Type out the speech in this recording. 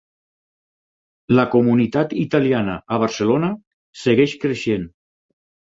La comunitat italiana a Barcelona segueix creixent.